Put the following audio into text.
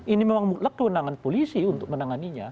ini memang mutlak kewenangan polisi untuk menanganinya